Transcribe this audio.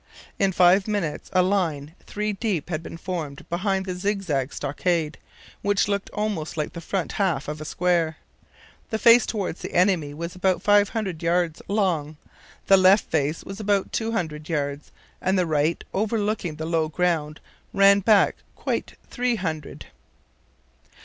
In five minutes a line three deep had been formed behind the zigzag stockade, which looked almost like the front half of a square. The face towards the enemy was about five hundred yards long. The left face was about two hundred yards, and the right, overlooking the low ground, ran back quite three hundred.